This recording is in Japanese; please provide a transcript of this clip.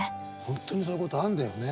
本当にそういうことあんだよね。